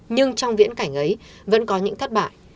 nhưng trong viễn cảnh ấy vẫn có những thất bại